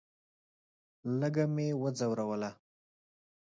لږه مې وځوروله.